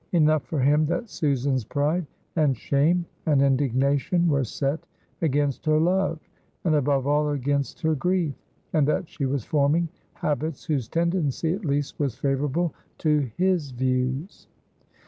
Enough for him that Susan's pride and shame and indignation were set against her love, and, above all, against her grief, and that she was forming habits whose tendency at least was favorable to his views.